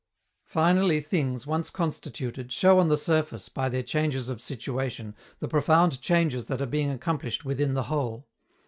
Finally things, once constituted, show on the surface, by their changes of situation, the profound changes that are being accomplished within the Whole.